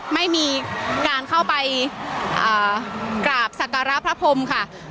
ไม่มีการเข้าไปกราบสักการะพระพรมค่ะ